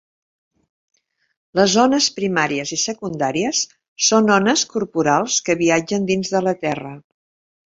Les ones primàries i secundàries són ones corporals que viatgen dins de la Terra.